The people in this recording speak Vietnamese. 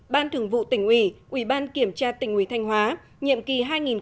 ban thường vụ tỉnh ủy ủy ban kiểm tra tỉnh ủy thanh hóa nhiệm kỳ hai nghìn một mươi năm hai nghìn hai mươi